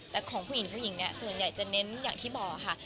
แต่ของผู้หญิงผู้หญิงเนี่ยส่วนใหญ่จะเน้นอย่างที่บอกค่ะ